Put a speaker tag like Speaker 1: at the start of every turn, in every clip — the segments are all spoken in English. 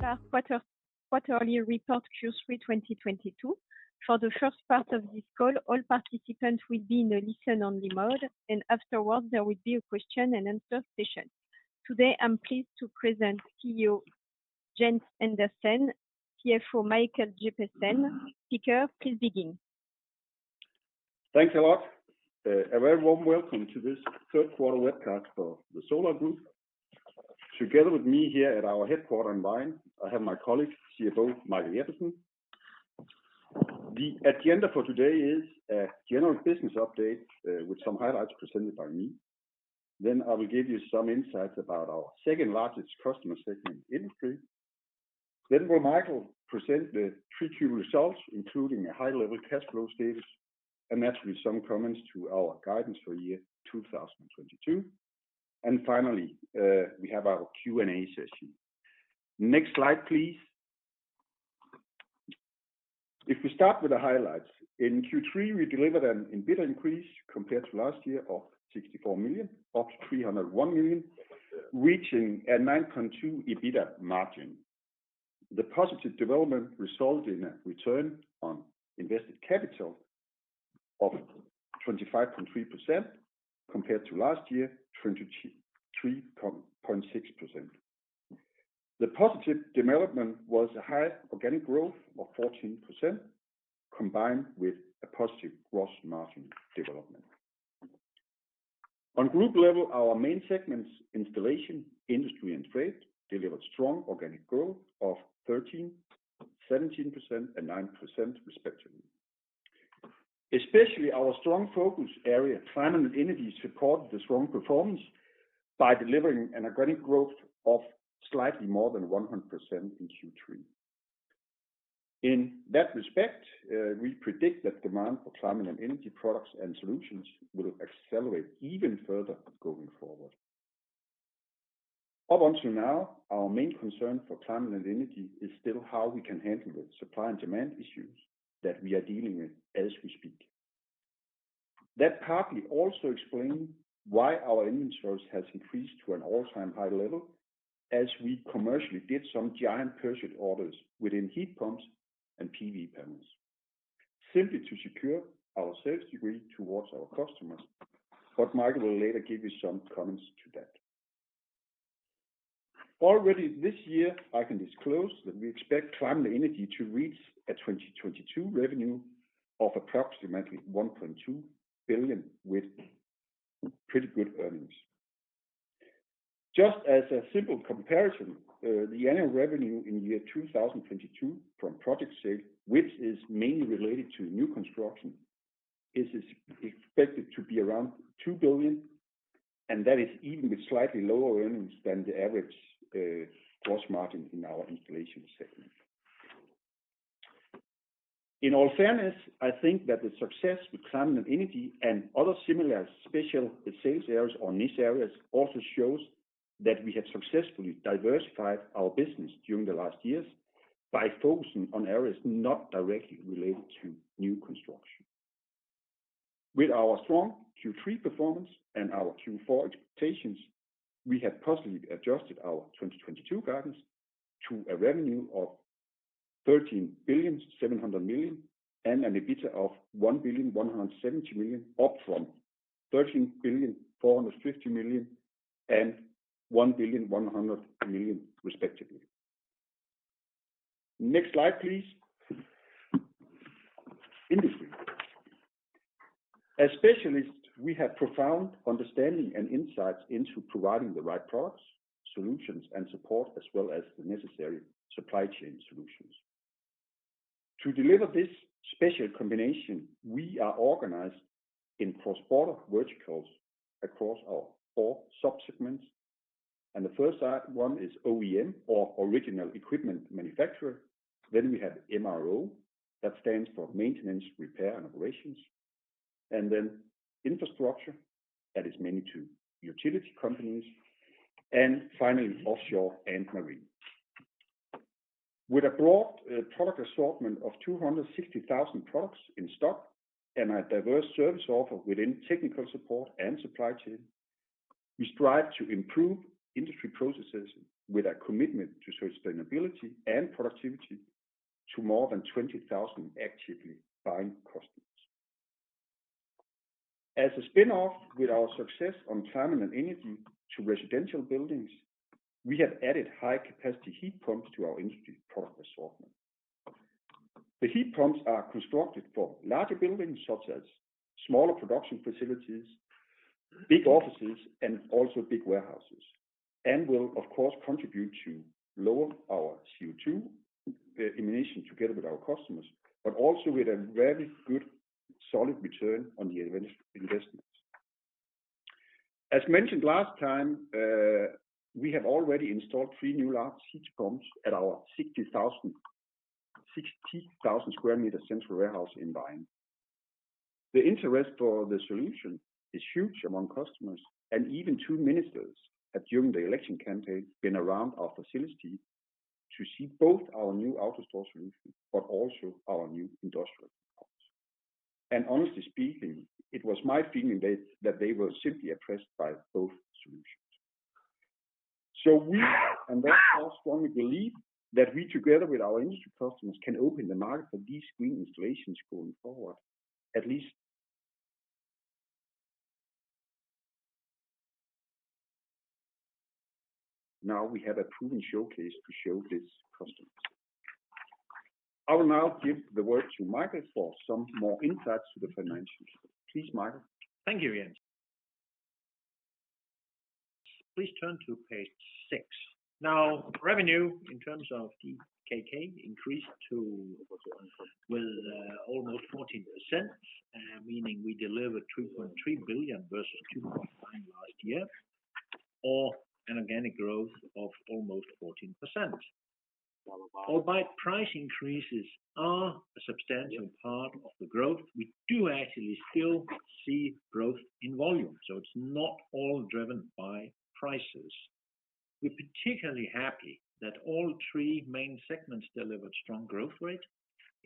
Speaker 1: Solar quarterly report, Q3 2022. For the first part of this call, all participants will be in a listen-only mode, and afterwards there will be a question and answer session. Today, I'm pleased to present CEO Jens Andersen, CFO Michael Jeppesen. Speaker, please begin.
Speaker 2: Thanks a lot. A very warm welcome to this third quarter webcast for the Solar Group. Together with me here at our headquarters in Vejen, I have my colleague, CFO Michael Jeppesen. The agenda for today is a general business update, with some highlights presented by me. I will give you some insights about our second-largest customer segment, Industry. Will Michael present the 3Q results, including a high-level cash flow status, and naturally some comments to our guidance for year 2022. Finally, we have our Q&A session. Next slide, please. If we start with the highlights, in Q3, we delivered an EBITDA increase compared to last year of 64 million, up 301 million, reaching a 9.2% EBITDA margin. The positive development resulted in a return on invested capital of 25.3% compared to last year, 23.6%. The positive development was a high organic growth of 14%, combined with a positive gross margin development. On group level, our main segments, Installation, Industry, and Trade, delivered strong organic growth of 13%, 17%, and 9% respectively. Especially our strong focus area, Climate & Energy, supported the strong performance by delivering an organic growth of slightly more than 100% in Q3. In that respect, we predict that demand for Climate & Energy products and solutions will accelerate even further going forward. Up until now, our main concern for Climate & Energy is still how we can handle the supply and demand issues that we are dealing with as we speak. That partly also explain why our inventory has increased to an all-time high level as we commercially did some giant purchase orders within heat pumps and PV panels, simply to secure our sales degree towards our customers, but Michael will later give you some comments to that. Already this year, I can disclose that we expect Climate & Energy to reach a 2022 revenue of approximately 1.2 billion, with pretty good earnings. Just as a simple comparison, the annual revenue in year 2022 from project sale, which is mainly related to new construction, is expected to be around 2 billion, and that is even with slightly lower earnings than the average gross margin in our Installation segment. In all fairness, I think that the success with Climate & Energy and other similar special sales areas or niche areas also shows that we have successfully diversified our business during the last years by focusing on areas not directly related to new construction. With our strong Q3 performance and our Q4 expectations, we have positively adjusted our 2022 guidance to a revenue of 13.7 billion and an EBITDA of 1.17 billion, up from 13.45 billion and 1.1 billion respectively. Next slide, please. Industry. As specialists, we have profound understanding and insights into providing the right products, solutions and support, as well as the necessary supply chain solutions. To deliver this special combination, we are organized in cross-border verticals across our four sub-segments, and the first one is OEM or Original Equipment Manufacturer. We have MRO, that stands for Maintenance, Repair and Operations. Infrastructure, that is mainly to utility companies. Offshore and Marine. With a broad product assortment of 260,000 products in stock and a diverse service offer within technical support and supply chain, we strive to improve industry processes with a commitment to sustainability and productivity to more than 20,000 actively buying customers. As a spin-off with our success on Climate & Energy to residential buildings, we have added high-capacity heat pumps to our industry product assortment. The heat pumps are constructed for larger buildings such as smaller production facilities, big offices, and also big warehouses, and will of course contribute to lower our CO2 emission together with our customers, but also with a very good solid return on the investments. As mentioned last time, we have already installed three new large heat pumps at our 60,000 sq m central warehouse in Vejen. The interest for the solution is huge among customers, and even two ministers have, during the election campaign, been around our facility to see both our new AutoStore solution but also our new industrial. Honestly speaking, it was my feeling that they were simply impressed by both solutions. We strongly believe that we, together with our Industry customers, can open the market for these green installations going forward, at least. Now we have a proven showcase to show this to customers. I will now give the word to Michael for some more insights to the financials. Please, Michael.
Speaker 3: Thank you, Jens. Please turn to page six. Now, revenue in terms of the DKK increased by almost 14%, meaning we delivered 2.3 billion versus 249 last year, or an organic growth of almost 14%. Although price increases are a substantial part of the growth, we do actually still see growth in volume, so it's not all driven by prices. We're particularly happy that all three main segments delivered strong growth rate,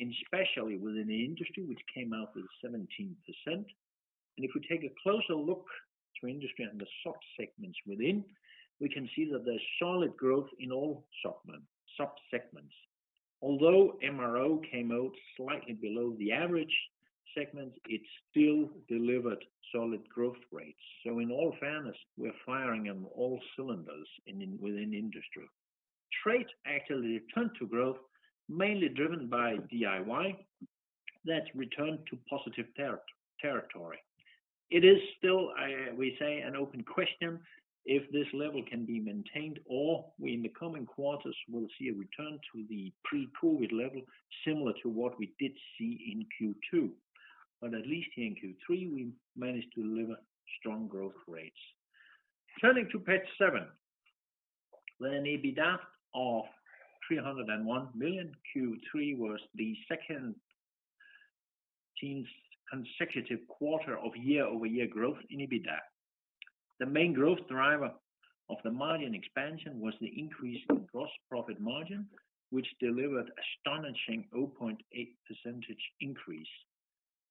Speaker 3: and especially within the industry, which came out with 17%. If we take a closer look at Industry and the sub-segments within, we can see that there's solid growth in all sub-segments. Although MRO came out slightly below the average segment, it still delivered solid growth rates. In all fairness, we're firing on all cylinders within industry. Trade actually returned to growth, mainly driven by DIY that's returned to positive territory. It is still, we say, an open question if this level can be maintained or in the coming quarters we'll see a return to the pre-COVID level, similar to what we did see in Q2. At least here in Q3, we managed to deliver strong growth rates. Turning to page seven, an EBITDA of 301 million Q3 was the second consecutive quarter of year-over-year growth in EBITDA. The main growth driver of the margin expansion was the increase in gross profit margin, which delivered astonishing 0.8% increase.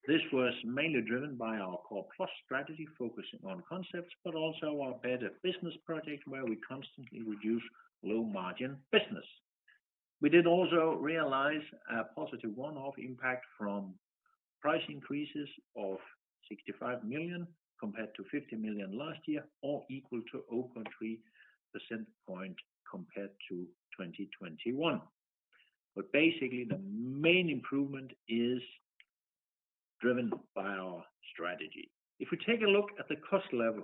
Speaker 3: This was mainly driven by our Core+ strategy focusing on concepts, but also our Better Business project where we constantly reduce low-margin business. We did also realize a positive one-off impact from price increases of 65 million compared to 50 million last year, or equal to 0.3 percentage points compared to 2021. Basically, the main improvement is driven by our strategy. If we take a look at the cost level,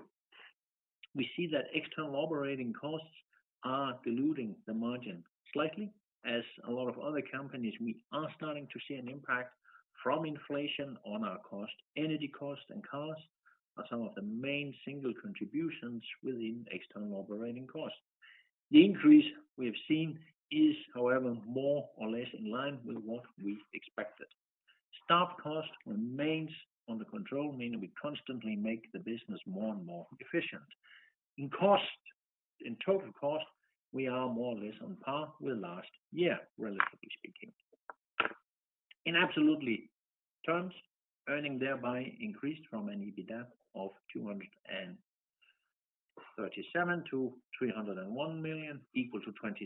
Speaker 3: we see that external operating costs are diluting the margin slightly. As a lot of other companies, we are starting to see an impact from inflation on our cost. Energy costs and cars are some of the main single contributions within external operating costs. The increase we have seen is, however, more or less in line with what we expected. Staff cost remains under control, meaning we constantly make the business more and more efficient. In cost, in total cost, we are more or less on par with last year, relatively speaking. In absolute terms, earnings thereby increased from an EBITDA of 237 million to 301 million, equal to 27%.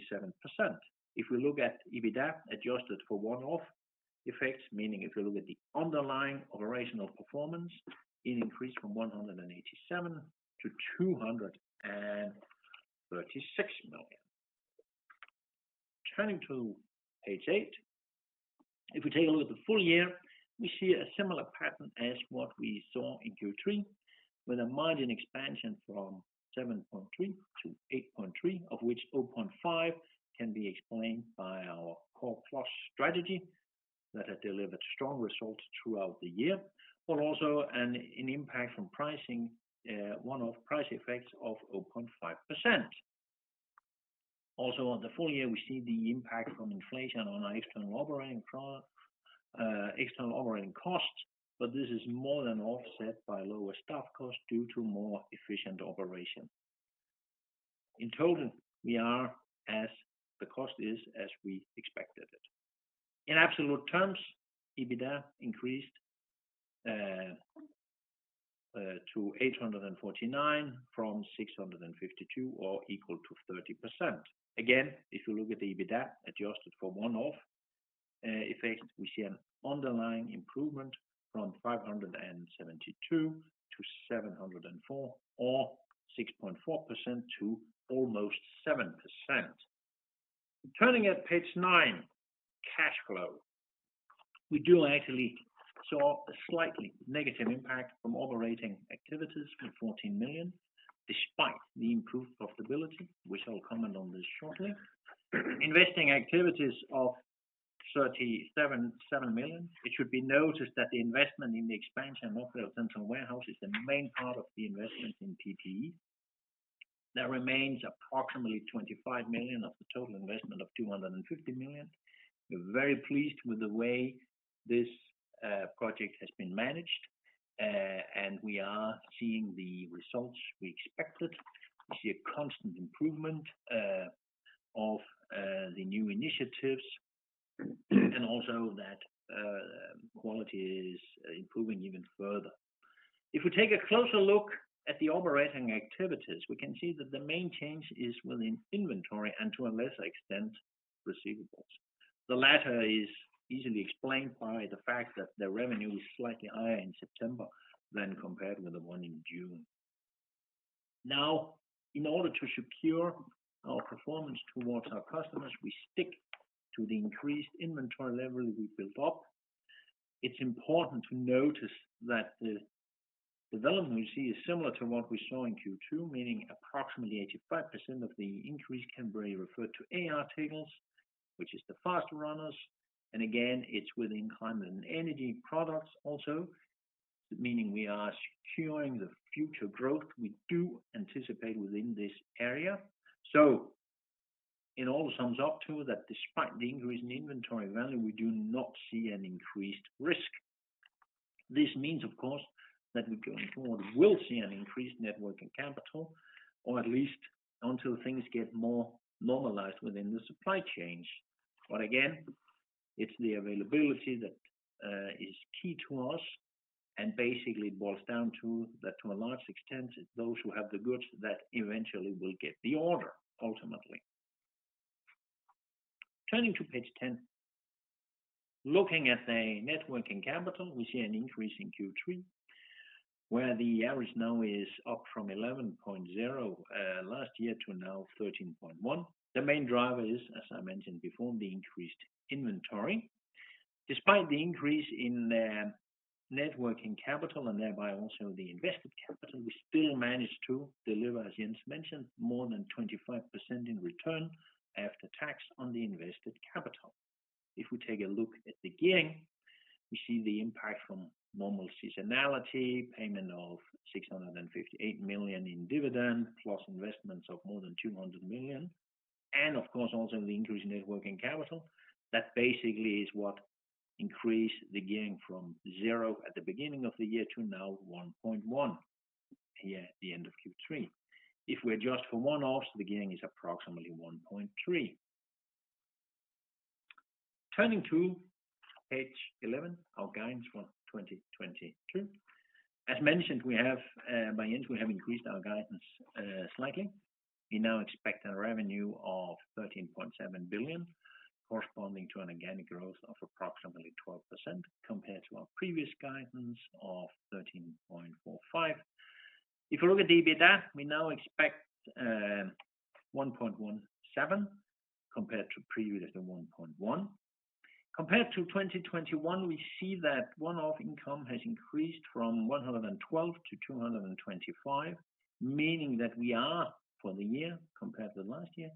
Speaker 3: If we look at EBITDA adjusted for one-off effects, meaning if you look at the underlying operational performance, it increased from 187 million to 236 million. Turning to page eight, if we take a look at the full year, we see a similar pattern as what we saw in Q3, with a margin expansion from 7.3% to 8.3%, of which 0.5% can be explained by our Core+ strategy that had delivered strong results throughout the year. Also an impact from pricing, one-off price effects of 0.5%. Also on the full year, we see the impact from inflation on our external operating costs, but this is more than offset by lower staff costs due to more efficient operation. In total, the costs are as we expected it. In absolute terms, EBITDA increased to 849 from 652 or equal to 30%. Again, if you look at the EBITDA adjusted for one-off effects, we see an underlying improvement from 572 to 704 or 6.4% to almost 7%. Turning to page nine, cash flow. We actually saw a slightly negative impact from operating activities of 14 million, despite the improved profitability, which I'll comment on this shortly. Investing activities of 37.7 million. It should be noticed that the investment in the expansion of our central warehouse is the main part of the investment in PPE. There remains approximately 25 million of the total investment of 250 million. We're very pleased with the way this project has been managed. We are seeing the results we expected. We see a constant improvement of the new initiatives, and also that quality is improving even further. If we take a closer look at the operating activities, we can see that the main change is within inventory and to a lesser extent, receivables. The latter is easily explained by the fact that the revenue is slightly higher in September than compared with the one in June. Now, in order to secure our performance towards our customers, we stick to the increased inventory level we built up. It's important to notice that the development we see is similar to what we saw in Q2, meaning approximately 85% of the increase can be referred to A-articles, which is the fast runners. Again, it's within Climate & Energy products also, meaning we are securing the future growth we do anticipate within this area. It all sums up to that despite the increase in inventory value, we do not see an increased risk. This means, of course, that we going forward will see an increased net working capital, or at least until things get more normalized within the supply chains. Again, it's the availability that is key to us, and basically it boils down to that to a large extent, it's those who have the goods that eventually will get the order, ultimately. Turning to page 10. Looking at the net working capital, we see an increase in Q3, where the average now is up from 11.0% last year to now 13.1%. The main driver is, as I mentioned before, the increased inventory. Despite the increase in net working capital and thereby also the invested capital, we still managed to deliver, as Jens mentioned, more than 25% in return after tax on the invested capital. If we take a look at the gearing, we see the impact from normal seasonality, payment of 658 million in dividend, plus investments of more than 200 million, and of course also the increase in net working capital. That basically is what increased the gearing from zero at the beginning of the year to now 1.1x here at the end of Q3. If we adjust for one-offs, the gearing is approximately 1.3x. Turning to page 11, our guidance for 2022. As mentioned, by end, we have increased our guidance, slightly. We now expect a revenue of 13.7 billion, corresponding to an organic growth of approximately 12% compared to our previous guidance of 13.45 billion. If you look at the EBITDA, we now expect 1.17 billion compared to previous at the 1.1 billion. Compared to 2021, we see that one-off income has increased from 112 million to 225 million, meaning that we are, for the year compared to last year,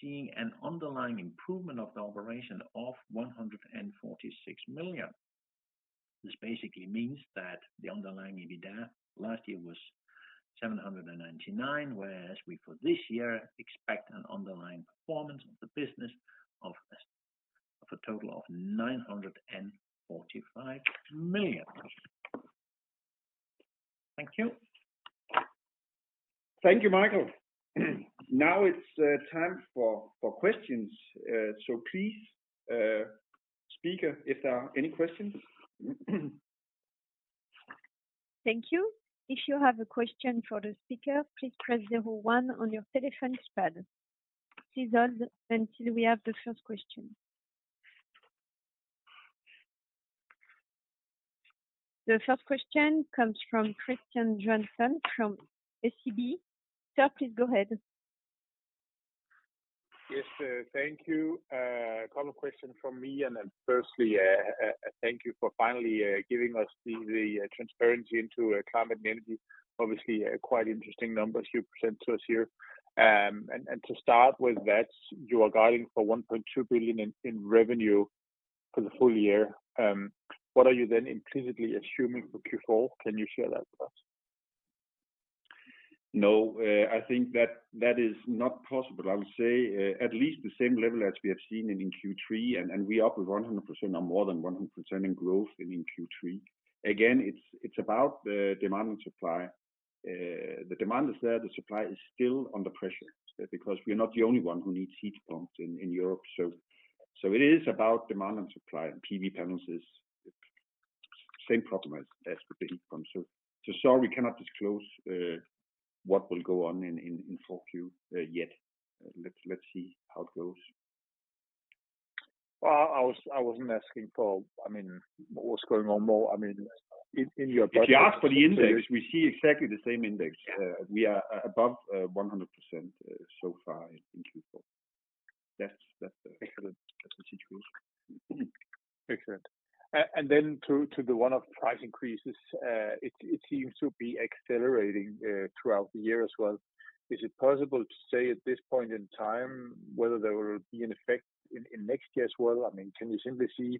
Speaker 3: seeing an underlying improvement of the operation of 146 million. This basically means that the underlying EBITDA last year was 799 million, whereas we, for this year, expect an underlying performance of the business of a total of 945 million. Thank you.
Speaker 2: Thank you, Michael. Now it's time for questions. Please, speaker, if there are any questions.
Speaker 1: Thank you. If you have a question for the speaker, please press zero one on your telephone's pad. Please hold until we have the first question. The first question comes from Christian Johansen from SEB. Sir, please go ahead.
Speaker 4: Yes, thank you. Couple questions from me. Firstly, thank you for finally giving us the transparency into Climate & Energy. Obviously, quite interesting numbers you present to us here. To start with that, you are guiding for 1.2 billion in revenue for the full year. What are you then implicitly assuming for Q4? Can you share that with us?
Speaker 2: No, I think that is not possible. I would say at least the same level as we have seen in Q3, and we're up with 100% or more than 100% in growth in Q3. Again, it's about the demand and supply. The demand is there, the supply is still under pressure because we are not the only one who needs heat pumps in Europe. It is about demand and supply, and PV panels is same problem as with the heat pumps. Sorry, we cannot disclose what will go on in Q4 yet. Let's see how it goes.
Speaker 4: Well, I wasn't asking for, I mean, in your-
Speaker 2: If you ask for the index, we see exactly the same index. We are above 100% so far in Q4. That's excellent the situation.
Speaker 4: Excellent. To the one-off price increases, it seems to be accelerating throughout the year as well. Is it possible to say at this point in time whether there will be an effect in next year as well? I mean, can you simply see,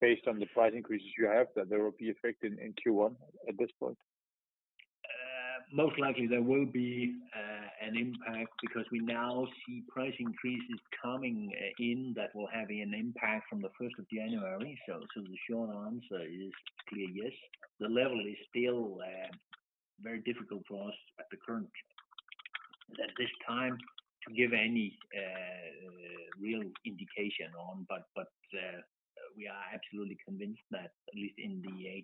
Speaker 4: based on the price increases you have, that there will be effect in Q1 at this point?
Speaker 3: Most likely there will be an impact because we now see price increases coming in that will have an impact from the first of January. The short answer is clear yes. The level is still very difficult for us at this time to give any real indication on. We are absolutely convinced that at least in the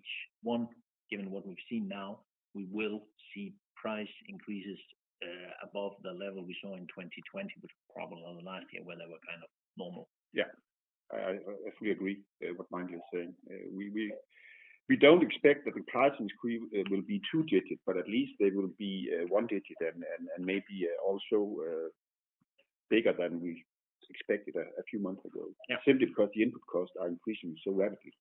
Speaker 3: H1, given what we've seen now, we will see price increases above the level we saw in 2020, which was probably the last year where they were kind of normal.
Speaker 2: Yeah. I fully agree what Michael is saying. We don't expect that the price increase will be two-digit, but at least they will be one-digit and maybe also bigger than we expected a few months ago.
Speaker 3: Yeah.
Speaker 2: Simply because the input costs are increasing so rapidly.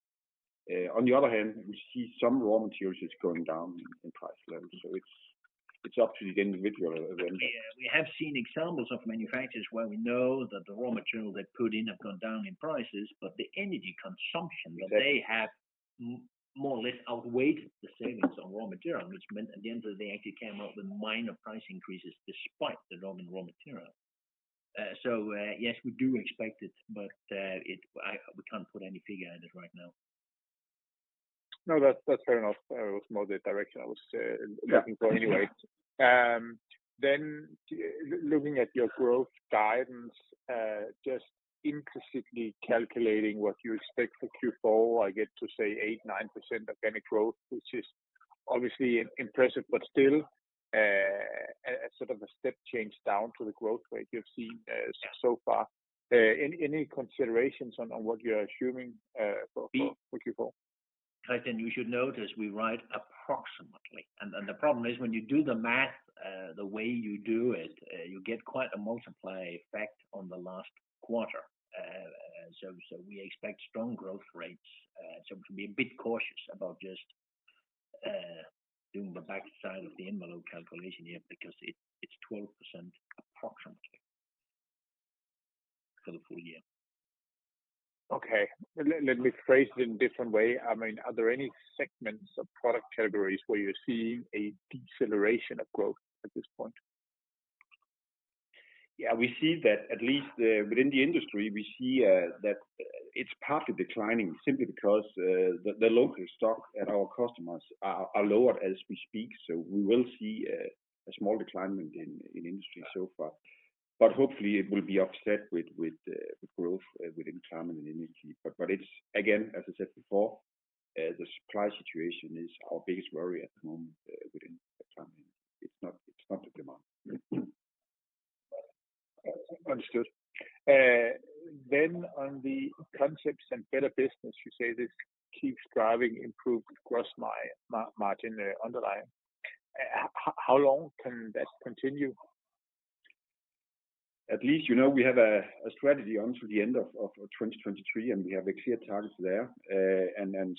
Speaker 2: On the other hand, we see some raw materials is going down in price levels. It's up to the individual event.
Speaker 3: Yeah. We have seen examples of manufacturers where we know that the raw material they put in have gone down in prices, but the energy consumption that they have more or less outweighed the savings on raw material, which meant at the end of the day, actually came up with minor price increases despite the drop in raw material. Yes, we do expect it, but we can't put any figure on it right now.
Speaker 4: No, that's fair enough. It was more the direction I was looking for anyway. Looking at your growth guidance, just intrinsically calculating what you expect for Q4, I get to say 8%-9% organic growth, which is obviously impressive, but still, a sort of a step change down to the growth rate you've seen so far. Any considerations on what you're assuming for Q4?
Speaker 3: I think we should note as we write approximately, and the problem is when you do the math the way you do it, you get quite a multiplier effect on the last quarter. We expect strong growth rates. We should be a bit cautious about just doing the backside-of-the-envelope calculation here because it's 12% approximately for the full year.
Speaker 4: Okay. Let me phrase it in a different way. I mean, are there any segments or product categories where you're seeing a deceleration of growth at this point?
Speaker 2: Yeah, we see that at least within the Industry, we see that it's partly declining simply because the local stock at our customers are lower as we speak. We will see a small decline in Industry so far. Hopefully it will be offset with growth within Climate and Energy. It's again, as I said before, the supply situation is our biggest worry at the moment within the Climate. It's not the demand.
Speaker 4: Understood. On the Concepts and Better Business, you say this keeps driving improved gross margin, underlying. How long can that continue?
Speaker 2: At least, you know, we have a strategy until the end of 2023, and we have clear targets there.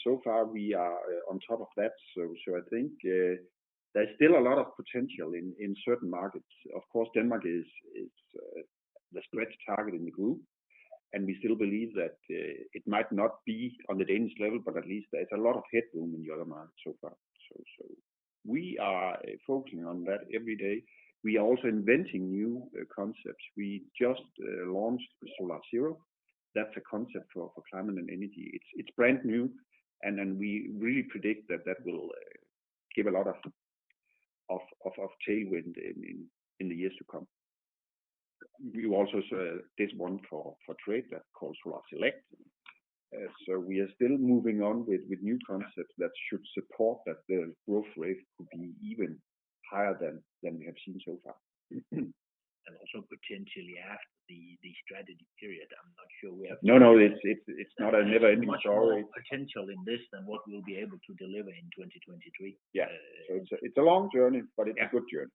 Speaker 2: So far we are on top of that. I think there's still a lot of potential in certain markets. Of course, Denmark is the stretch target in the group, and we still believe that it might not be on the Danish level, but at least there's a lot of headroom in the other markets so far. We are focusing on that every day. We are also inventing new concepts. We just launched Solar Zero. That's a concept for Climate & Energy. It's brand new, and then we really predict that will give a lot of tailwind in the years to come. We also test one for Trade that's called Solar Select. We are still moving on with new concepts that should support that the growth rate could be even higher than we have seen so far.
Speaker 3: Also potentially after the strategy period. I'm not sure we have-
Speaker 2: No, it's not a never ending story.
Speaker 3: Much more potential in this than what we'll be able to deliver in 2023.
Speaker 2: Yeah. It's a long journey, but it's a good journey.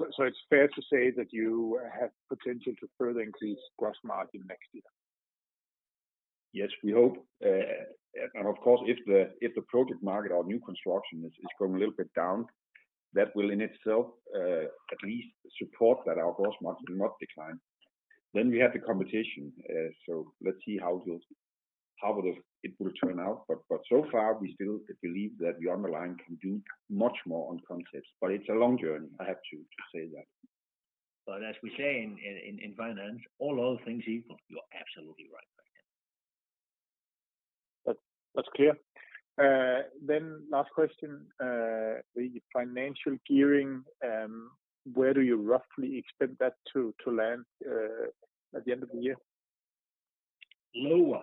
Speaker 4: It's fair to say that you have potential to further increase gross margin next year?
Speaker 2: Yes, we hope. Of course, if the project market or new construction is going a little bit down, that will in itself at least support that our gross margin will not decline. We have the competition. Let's see how it will turn out. So far, we still believe that the underlying can do much more on concepts. It's a long journey, I have to say that.
Speaker 3: As we say in finance, all other things equal, you're absolutely right.
Speaker 4: That's clear. Last question, the financial gearing, where do you roughly expect that to land at the end of the year?
Speaker 3: Lower.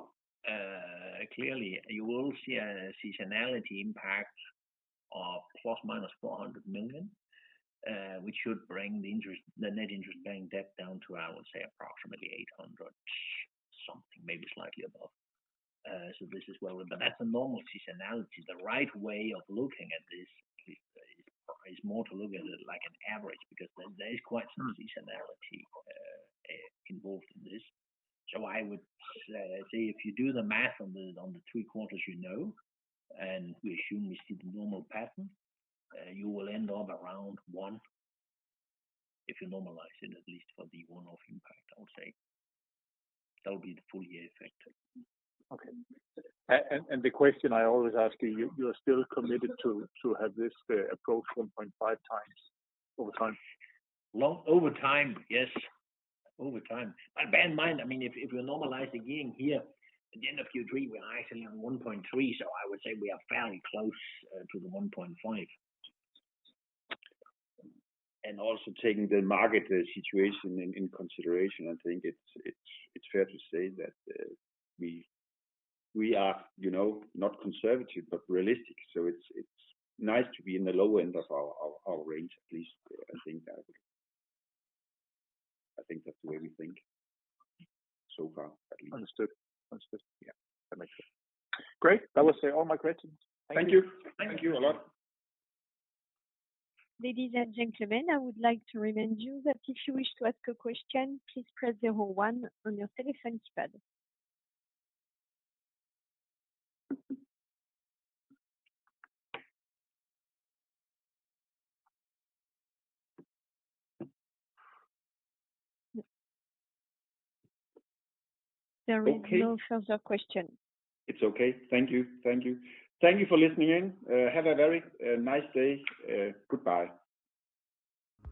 Speaker 3: Clearly, you will see a seasonality impact of ±400 million, which should bring the net interest-bearing debt down to, I would say, approximately 800-something million, maybe slightly above. That's a normal seasonality. The right way of looking at this is more to look at it like an average, because there's quite some seasonality involved in this. I would say if you do the math on the three quarters you know, and we assume we see the normal pattern, you will end up around 1 billion if you normalize it, at least for the one-off impact, I would say. That'll be the full year effect.
Speaker 4: Okay. The question I always ask you're still committed to have this approach 1.5x over time?
Speaker 3: Over time, yes. Over time. Bear in mind, I mean, if we normalize the gearing here, at the end of Q3, we're actually on 1.3x, so I would say we are fairly close to the 1.5x.
Speaker 2: Also taking the market situation in consideration, I think it's fair to say that we are, you know, not conservative, but realistic. It's nice to be in the low end of our range at least. I think that's the way we think so far, at least.
Speaker 4: Understood.
Speaker 2: Yeah. That makes sense.
Speaker 4: Great. That was all my questions. Thank you.
Speaker 2: Thank you a lot.
Speaker 1: Ladies and gentlemen, I would like to remind you that if you wish to ask a question, please press zero one on your telephone keypad. There is no further question.
Speaker 3: It's okay. Thank you for listening in. Have a very nice day. Goodbye.